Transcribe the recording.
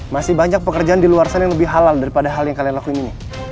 masih banyak pekerjaan di luar sana yang lebih halal daripada hal yang kalian lakuin ini